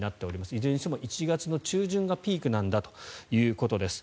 いずれにしても１月の中旬がピークなんだということです。